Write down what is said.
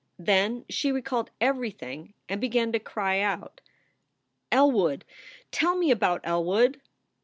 Then she recalled everything and began to cry out: Elwood ! Tell me about Elwood